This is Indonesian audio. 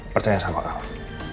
percaya sama allah